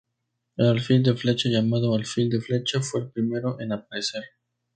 El Alfil de flecha, llamado "Alfil de flecha", fue el primero en aparecer.